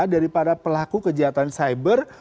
dari para pelaku kejahatan cyber